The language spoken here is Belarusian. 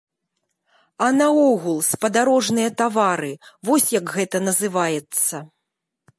А наогул, спадарожныя тавары, вось як гэта называецца.